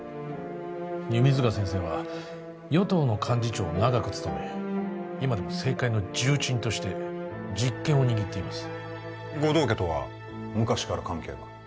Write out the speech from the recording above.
弓塚先生は与党の幹事長を長く務め今でも政界の重鎮として実権を握っています護道家とは昔から関係が？